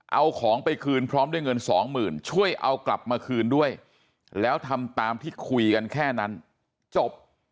เอาของไปคืนพร้อมด้วยเงินสองหมื่นช่วยเอากลับมาคืนด้วยแล้วทำตามที่คุยกันแค่นั้นจบ